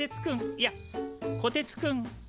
いやこてつくん。